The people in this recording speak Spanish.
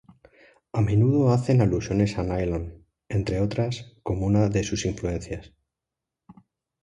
A menudo hacen alusiones a Nylon, entre otras, como una de sus influencias.